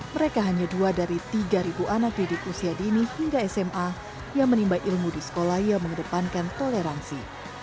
mereka hanya dua dari tiga anak didik usia dini hingga sma yang menimba ilmu di sekolah yang mengedepankan toleransi